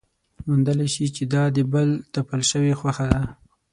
موندلی شي چې دا د بل تپل شوې خوښه ده.